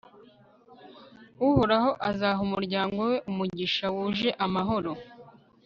uhoraho azaha umuryango we umugisha wuje amahoro